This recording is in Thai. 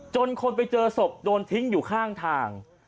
คนไปเจอศพโดนทิ้งอยู่ข้างทาง